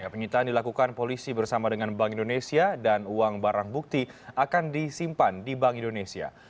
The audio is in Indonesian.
penyitaan dilakukan polisi bersama dengan bank indonesia dan uang barang bukti akan disimpan di bank indonesia